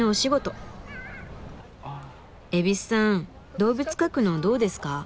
動物描くのどうですか？